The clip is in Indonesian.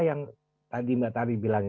yang tadi mbak tawi bilang